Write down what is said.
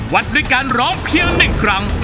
วัดด้วยการร้องเพียง๑ครั้ง